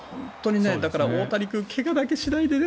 だから大谷君怪我だけしないでね。